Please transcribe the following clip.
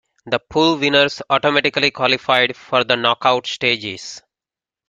The pool winners automatically qualified for the knock-out stages.